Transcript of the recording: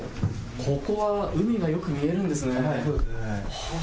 ここは海がよく見えるんですね。